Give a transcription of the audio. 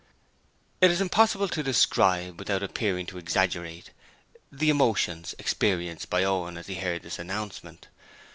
It is impossible to describe, without appearing to exaggerate, the emotions experienced by Owen as he heard this announcement.